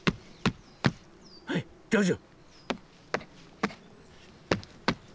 はいどうぞ。